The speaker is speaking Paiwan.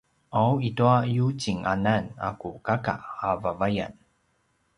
’aw i tua yucinganan a ku kaka a vavayan